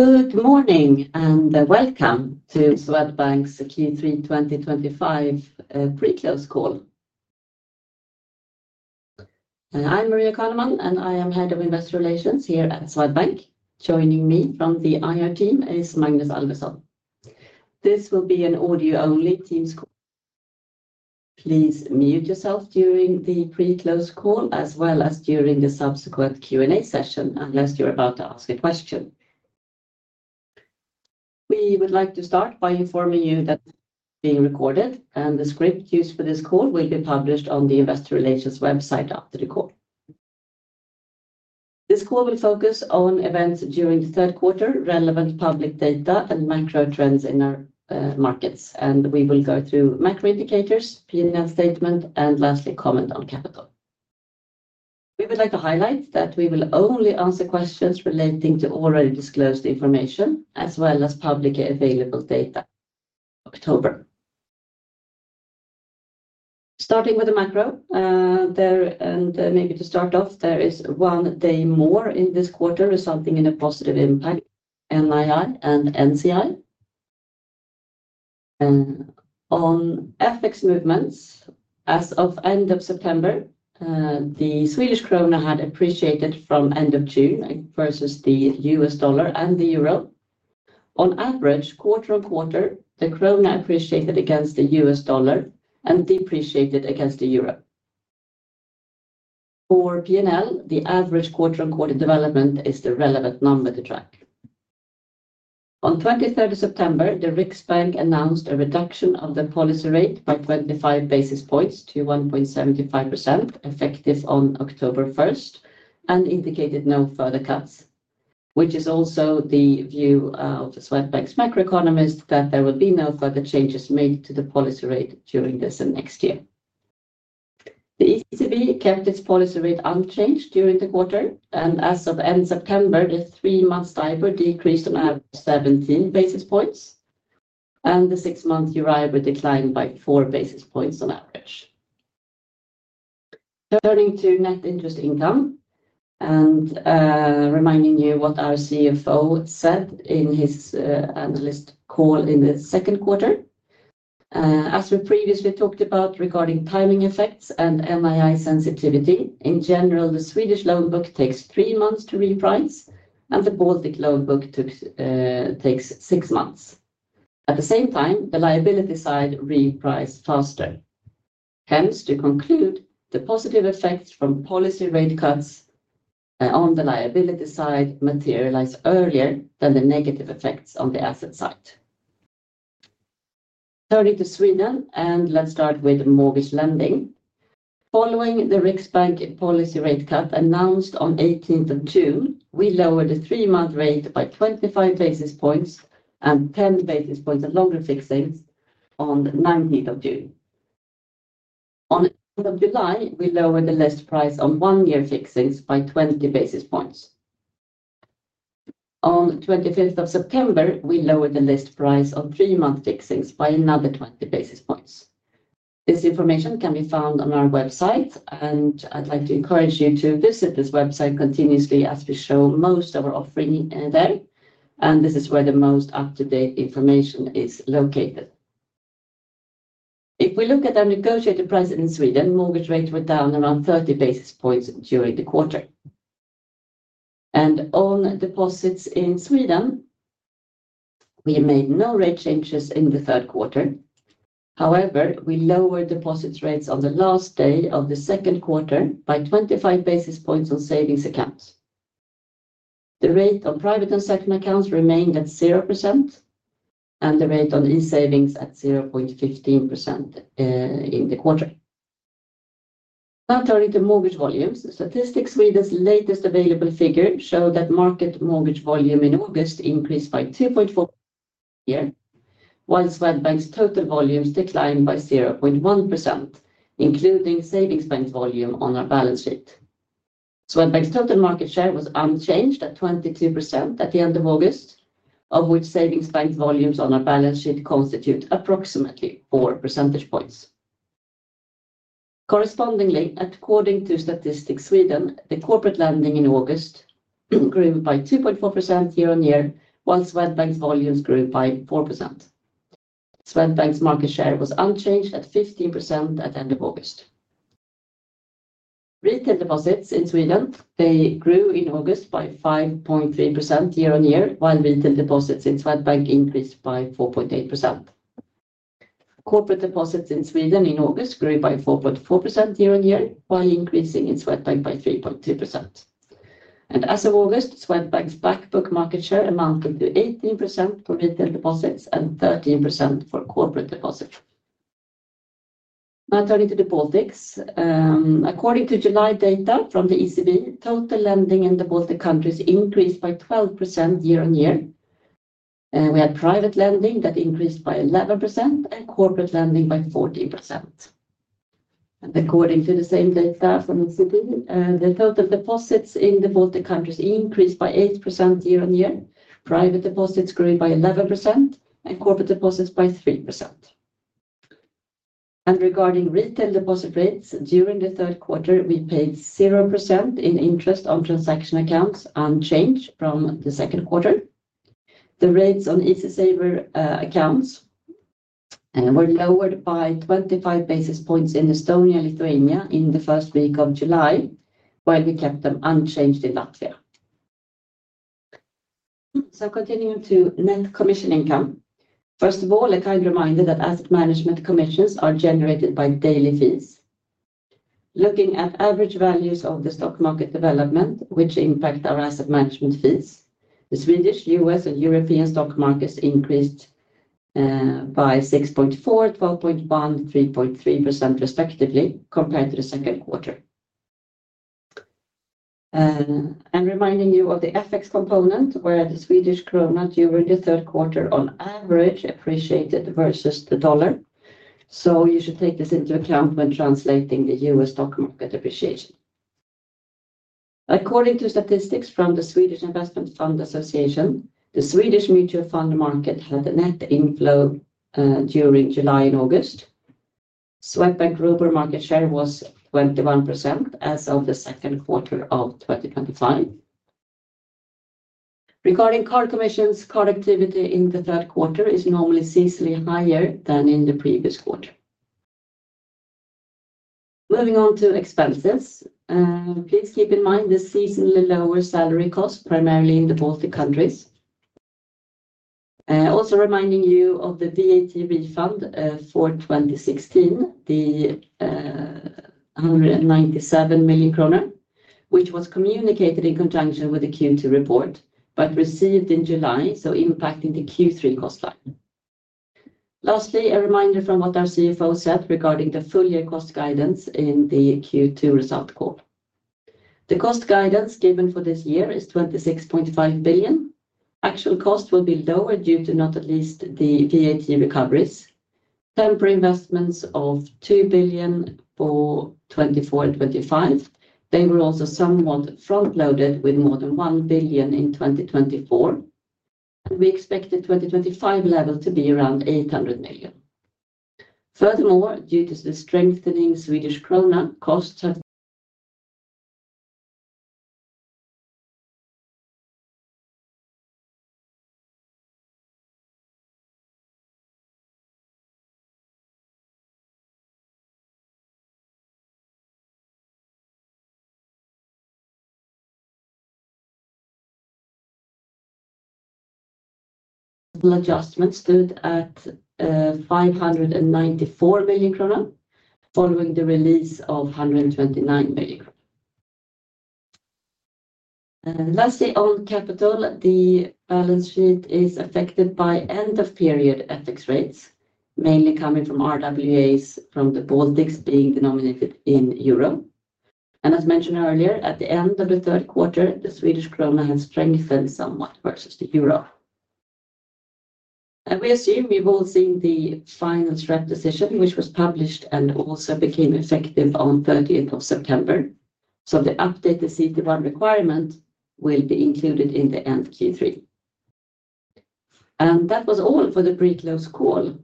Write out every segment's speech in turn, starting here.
Good morning and welcome to Swedbank's Q3 2025 Pre-close Call. I'm Maria Caneman and I am Head of Investor Relations here at Swedbank. Joining me from the IR team is Magnus Alvesson. This will be an audio-only team [call]. Please mute yourself during the pre-close call as well as during the subsequent Q&A session unless you're about to ask a question. We would like to start by informing you that the call is being recorded and the script used for this call will be published on the Investor Relations website after the call. This call will focus on events during the third quarter, relevant public data, and macro trends in our markets. We will go through macro indicators, P&L statement, and lastly, comment on capital. We would like to highlight that we will only answer questions relating to already disclosed information as well as publicly available data. Starting with the macro, there is one day more in this quarter resulting in a positive impact in IR and NCI. On FX movements, as of end of September, the Swedish krona had appreciated from end of June versus the U.S. dollar and the euro. On average, quarter-on-quarter, the krona appreciated against the U.S. dollar and depreciated against the euro. For P&L, the average quarter on quarter development is the relevant number to track. On 23rd of September, the Riksbank announced a reduction of the policy rate by 25 basis points to 1.75% effective on October 1st and indicated no further cuts, which is also the view of Swedbank's macroeconomists that there will be no further changes made to the policy rate during this and next year. The ECB kept its policy rate unchanged during the quarter and as of end of September, the three-months' IRA decreased on average 17 basis points and the six-months' IRA declined by four basis points on average. Turning to net interest income and reminding you what our CFO said in his analyst call in the second quarter. As we previously talked about regarding timing effects and MII sensitivity, in general, the Swedish loan book takes three months to reprice and the Baltic loan book takes six months. At the same time, the liability side repriced faster. Hence, to conclude, the positive effects from policy rate cuts on the liability side materialized earlier than the negative effects on the asset side. Turning to Sweden, let's start with mortgage lending. Following the Riksbank policy rate cut announced on 18th of June, we lowered the three-month rate by 25 basis points and 10 basis points of longer fixings on 19th of June. At the end of July, we lowered the list price on one-year fixings by 20 basis points. On 25th of September, we lowered the list price on three-month fixings by another 20 basis points. This information can be found on our website, and I'd like to encourage you to visit this website continuously as we show most of our offerings there. This is where the most up-to-date information is located. If we look at our negotiated prices in Sweden, mortgage rates were down around 30 basis points during the quarter. On deposits in Sweden, we made no rate changes in the third quarter. However, we lowered deposit rates on the last day of the second quarter by 25 basis points on savings accounts. The rate on private and certain accounts remained at 0% and the rate on e-savings at 0.15% in the quarter. Now turning to mortgage volumes, Statistics Sweden's latest available figure showed that market mortgage volume in August increased by [2.4%], while Swedbank's total volumes declined by 0.1%, including savings bank volume on our balance sheet. Swedbank's total market share was unchanged at 22% at the end of August, of which savings bank volumes on our balance sheet constitute approximately 4 percentage points. Correspondingly, according to Statistics Sweden, the corporate lending in August grew by 2.4% year-on-year, while Swedbank's volumes grew by 4%. Swedbank's market share was unchanged at 15% at the end of August. Retail deposits in Sweden grew in August by 5.3% year-on-year, while retail deposits in Swedbank increased by 4.8%. Corporate deposits in Sweden in August grew by 4.4% year-on-year, while increasing in Swedbank by 3.2%. As of August, Swedbank's black book market share amounted to 18% for retail deposits and 13% for corporate deposits. Now turning to the Baltics, according to July data from the ECB, total lending in the Baltic countries increased by 12% year-on-year. We had private lending that increased by 11% and corporate lending by 14%. According to the same data from the ECB, the total deposits in the Baltic countries increased by 8% year-on-year, private deposits grew by 11%, and corporate deposits by 3%. Regarding retail deposit rates, during the third quarter, we paid 0% in interest on transaction accounts, unchanged from the second quarter. The rates on e-saver accounts were lowered by 25 basis points in Estonia and Lithuania in the first week of July, while we kept them unchanged in Latvia. Continuing to net commission income, first of all, a kind reminder that asset management commissions are generated by daily fees. Looking at average values of the stock market development, which impact our asset management fees, the Swedish, U.S., and European stock markets increased by 6.4%, 12.1%, and 3.3% respectively compared to the second quarter. Reminding you of the FX component, where the Swedish krona during the third quarter on average appreciated versus the dollar. You should take this into account when translating the U.S. stock market appreciation. According to statistics from the Swedish Investment Fund Association, the Swedish mutual fund market had a net inflow during July and August. Swedbank's global market share was 21% as of the second quarter of 2025. Regarding card commissions, card activity in the third quarter is normally seasonally higher than in the previous quarter. Moving on to expenses, please keep in mind the seasonally lower salary costs, primarily in the Baltic countries. Also reminding you of the VAT refund for 2016, the 197 million kronor, which was communicated in conjunction with the Q2 report but received in July, impacting the Q3 cost file. Lastly, a reminder from what our CFO said regarding the full-year cost guidance in the Q2 result call. The cost guidance given for this year is 26.5 billion. Actual costs will be lower due to not at least the VAT recoveries. Temporary investments of 2 billion for 2024 and 2025, they were also somewhat front-loaded with more than 1 billion in 2024. We expect the 2025 level to be around 800 million. Furthermore, due to the strengthening Swedish krona, costs have. The adjustment stood at 594 million krona following the release of 129 million. Lastly, on capital, the balance sheet is affected by end-of-period FX rates, mainly coming from RWAs from the Baltics being denominated in euro. As mentioned earlier, at the end of the third quarter, the Swedish krona has strengthened somewhat versus the euro. We assume you've all seen the finance rep decision, which was published and also became effective on 13th of September. The updated CT1 requirement will be included in the end Q3. That was all for the pre-close call.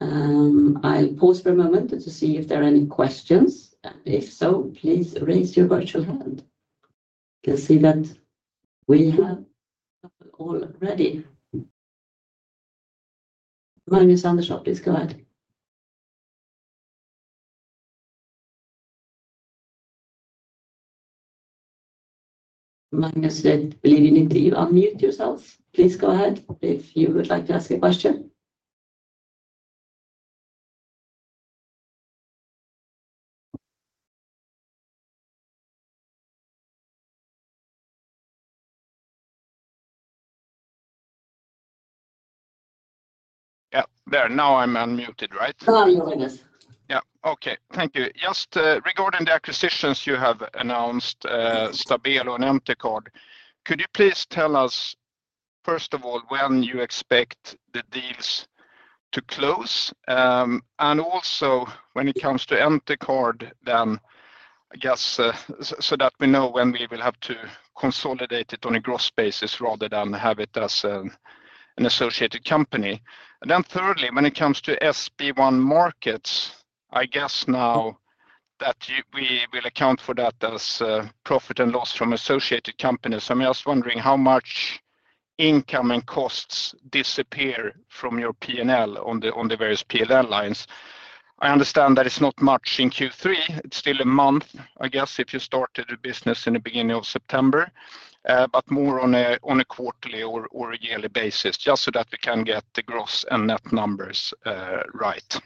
I'll pause for a moment to see if there are any questions. If so, please raise your virtual hand. I can see that we have already. [Magnus Andersson], please go ahead. Magnus, I believe you need to unmute yourself. Please go ahead if you would like to ask a question. Yeah, there. Now I'm unmuted, right? Hello, you're with us. Yeah, okay, thank you. Just regarding the acquisitions you have announced, Stabelo and Entercard, could you please tell us, first of all, when you expect the deals to close? Also, when it comes to Entercard, I guess so that we know when we will have to consolidate it on a gross basis rather than have it as an associated company. Thirdly, when it comes to SB1 Markets, I guess now that we will account for that as profit and loss from associated companies. I'm just wondering how much income and costs disappear from your P&L on the various P&L lines. I understand that it's not much in Q3. It's still a month, I guess, if you started the business in the beginning of September, but more on a quarterly or a yearly basis, just so that we can get the gross and net numbers right.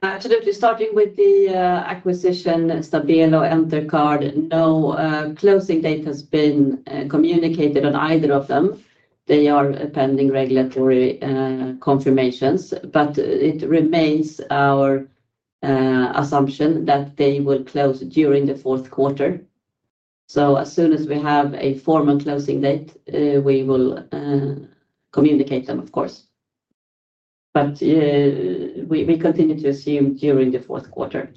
Absolutely. Starting with the acquisition, Stabelo and Entercard, no closing date has been communicated on either of them. They are pending regulatory confirmations, but it remains our assumption that they will close during the fourth quarter. As soon as we have a formal closing date, we will communicate them, of course. We continue to assume during the fourth quarter.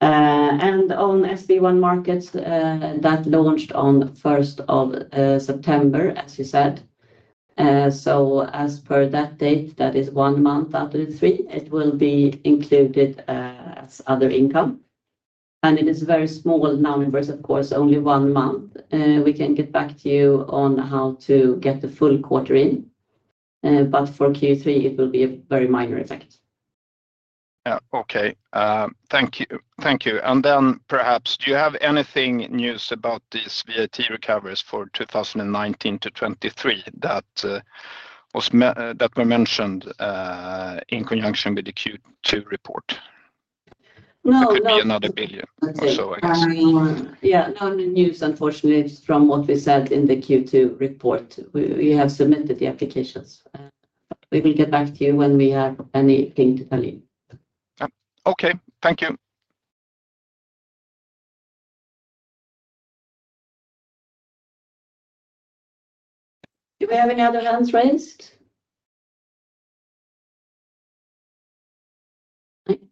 On SB1 Markets, that launched on 1st of September, as we said. As per that date, that is one month after Q3, it will be included as other income. It is very small numbers, of course, only one month. We can get back to you on how to get the full quarter in. For Q3, it will be a very minor effect. Okay. Thank you. Thank you. Do you have anything new about these VAT recoveries for 2019 to 2023 that were mentioned in conjunction with the Q2 report? No, no. It's only another billion. Yeah, no news, unfortunately, from what we said in the Q2 report. We have submitted the applications. We will get back to you when we have anything to tell you. Okay, thank you. Do we have any other hands raised?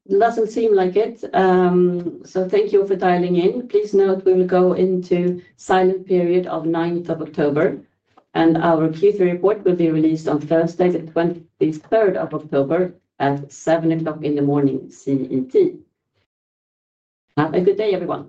It doesn't seem like it. Thank you for dialing in. Please note, we will go into the silent period on 9th of October. Our Q3 report will be released on Thursday, the 23rd of October, at 7:00 A.M. CET. Have a good day, everyone.